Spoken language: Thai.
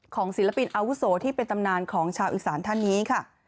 ศิลปินอาวุโสที่เป็นตำนานของชาวอีสานท่านนี้ค่ะ